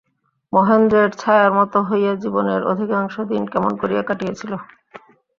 মহেন্দ্রের ছায়ার মতো হইয়া জীবনের অধিকাংশ দিন কেমন করিয়া কাটিয়াছিল।